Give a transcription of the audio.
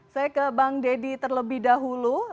saya ke bang deddy terlebih dahulu